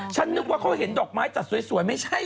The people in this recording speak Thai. นึกว่าเขาเห็นดอกไม้จัดสวยไม่ใช่